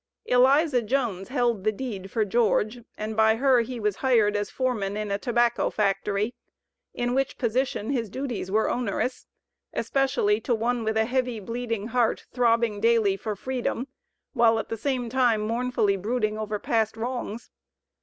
Eliza Jones held the deed for George, and by her he was hired as foreman in a tobacco factory, in which position his duties were onerous especially to one with a heavy, bleeding heart, throbbing daily for freedom, while, at the same time, mournfully brooding over past wrongs.